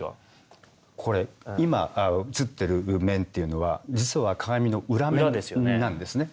これ今映ってる面っていうのは実は鏡の裏面なんですね。